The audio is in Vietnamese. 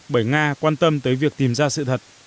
bởi nga quan tâm tới việc tìm ra sự thật